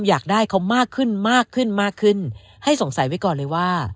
อยากได้เขามากขึ้นมากขึ้นมากขึ้นให้สงสัยไว้ก่อนเลยว่า